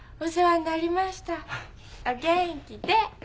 お元気で。